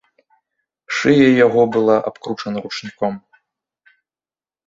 Шыя яго была абкручана ручніком.